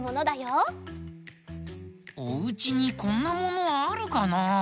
おうちにこんなものあるかな？